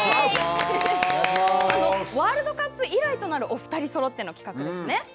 ワールドカップ以来となるお２人そろっての企画ですね。